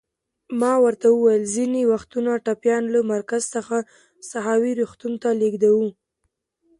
ما ورته وویل: ځینې وختونه ټپیان له مرکز څخه ساحوي روغتون ته لېږدوو.